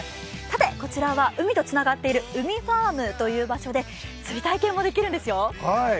こちらは海とつながっているうみファームという場所で釣り体験もできるんですよ。